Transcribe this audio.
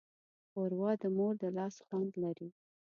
ښوروا د مور د لاس خوند لري.